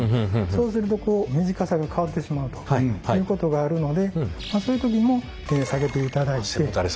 そうするとこう短さが変わってしまうということがあるのでそういう時にも下げていただいて。